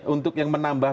untuk yang menambah